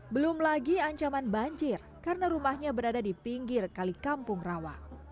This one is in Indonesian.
belum lagi ancaman banjir karena rumahnya berada di pinggir kali kampung rawa